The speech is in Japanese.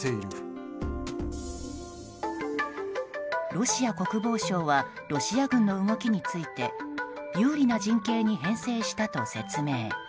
ロシア国防省はロシア軍の動きについて有利な陣形に編成したと説明。